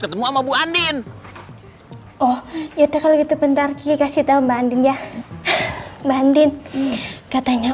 ketemu ama bu andin oh ya udah kalau gitu bentar kita kasih tahu mbak andin ya mbak andin katanya